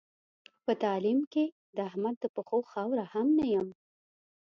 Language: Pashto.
په تعلیم کې د احمد د پښو خاوره هم نه یم.